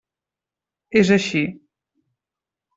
És així.